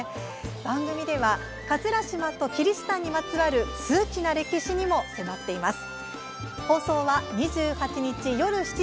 番組では葛島とキリシタンにまつわる数奇な歴史にも迫っています。